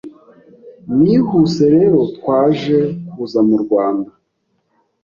Nihuse rero twaje kuza mu Rwanda